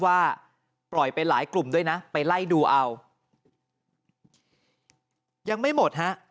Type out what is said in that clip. ว่าปล่อยไปหลายกลุ่มด้วยนะไปไล่ดูเอายังไม่หมดฮะ